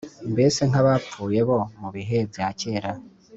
mbese nk’abapfuye bo mu bihe bya kera.